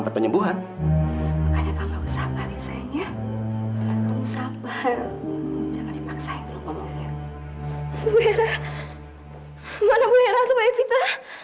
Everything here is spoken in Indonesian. mana bu hera sama evita